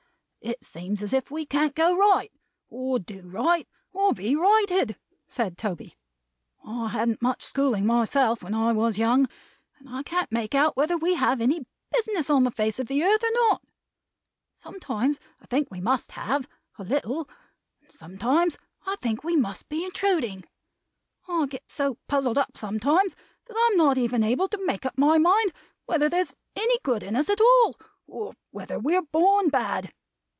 "It seems as if we can't go right, or do right, or be righted," said Toby. "I hadn't much schooling, myself, when I was young; and I can't make out whether we have any business on the face of the earth, or not. Sometimes I think we must have a little; and sometimes I think we must be intruding. I get so puzzled sometimes that I am not even able to make up my mind whether there is any good at all in us, or whether we are born bad.